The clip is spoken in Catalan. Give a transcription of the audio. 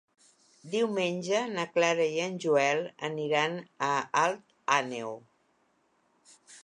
Diumenge na Clara i en Joel aniran a Alt Àneu.